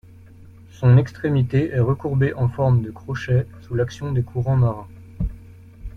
Son extrémité est recourbée en forme de crochet sous l'action des courants marins.